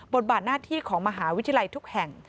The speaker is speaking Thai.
บาทหน้าที่ของมหาวิทยาลัยทุกแห่ง